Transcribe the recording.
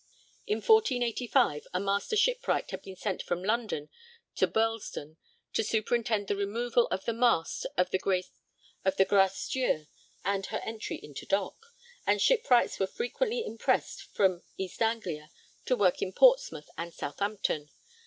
In 1485 a master shipwright had been sent from London to Bursledon to superintend the removal of the mast of the Grace Dieu and her entry into dock, and shipwrights were frequently impressed from East Anglia for work in Portsmouth and Southampton.